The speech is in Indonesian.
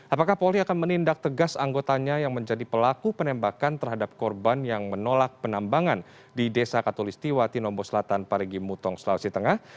apakah polri akan menindak tegas anggotanya yang menjadi pelaku penembakan terhadap korban yang menolak penambangan di desa katolistiwa tinombo selatan parigi mutong selawesi tengah